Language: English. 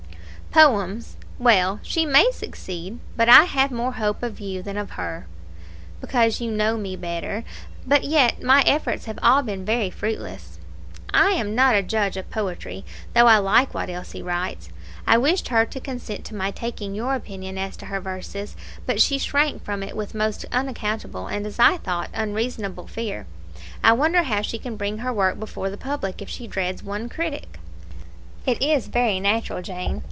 "Poems well, she may succeed; but I have more hope of you than of her." "Because you know me better; but yet my efforts have all been very fruitless. I am not a judge of poetry, though I like what Elsie writes. I wished her to consent to my taking your opinion as to her verses, but she shrank from it with most unaccountable and, as I thought, unreasonable fear. I wonder how she can bring her work before the public if she dreads one critic." "It is very natural, Jane.